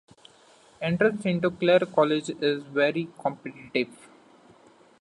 Entrance into Clare College is very competitive.